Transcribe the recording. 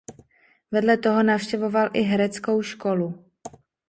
Vedle toho navštěvoval i hereckou školu.